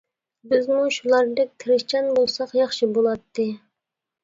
بىزمۇ شۇلاردەك تىرىشچان بولساق ياخشى بۇلاتتى!